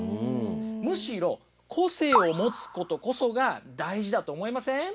むしろ個性を持つことこそが大事だと思いません？